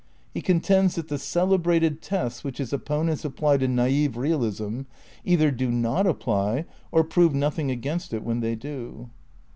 He contends that the celebrated tests which its opponents apply to naif realism either do not apply or prove nothing against it when they do.